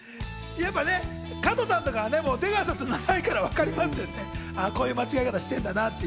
やっぱね、加藤さんとか出川さんと長いからわかりますよね、こういう間違え方してんだなって。